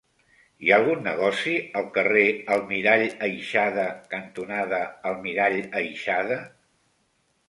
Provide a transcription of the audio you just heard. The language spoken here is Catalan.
Hi ha algun negoci al carrer Almirall Aixada cantonada Almirall Aixada?